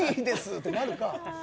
ってなるか。